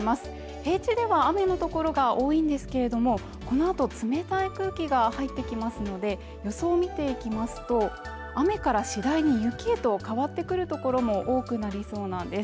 平地では雨の所が多いのですけれどもこのあと冷たい空気が入ってきますので予想見ていきますと雨から次第に雪へと変わってくるところも多くなりそうなんです